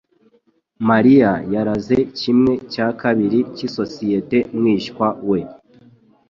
Mariya yaraze kimwe cya kabiri cy'isosiyete mwishywa we